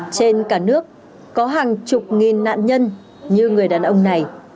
trên cả nước có hàng chục nghìn nạn nhân như người đàn ông này